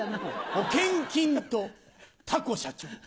「保険金とタコ社長」